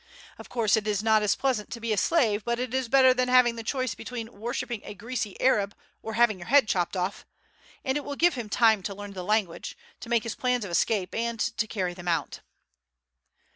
Of course it is not pleasant to be a slave, but it is better than having the choice between worshipping a greasy Arab or having your head chopped off, and it will give him time to learn the language, to make his plans of escape, and to carry them out."